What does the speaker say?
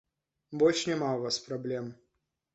Больш няма ў вас праблем!